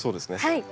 はい。